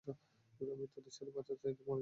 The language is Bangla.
আমি তোদের সাথে বাঁচার চাইতে মরে যেতে চাই!